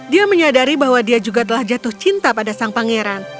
dia menyadari bahwa dia juga telah jatuh cinta pada sang pangeran